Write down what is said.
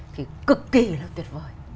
thì cực kỳ là tuyệt vời